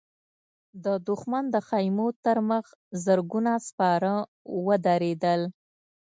د دښمن د خيمو تر مخ زرګونه سپاره ودرېدل.